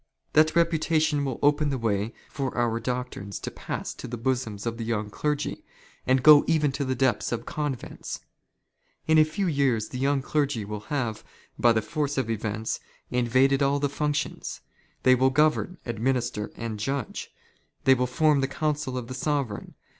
" That reputation will open the way for our doctrines to pass " to the bosoms of the young clergy, and go even to the depths of " convents. In a few years the young clergy will have, by the PERMANENT INSTRUCTION OF THE ALTA VENDITA. 7 1 " force of events, invaded all the functions. They "will govern, '' administer, and judge. They will form the council of the "Sovereign.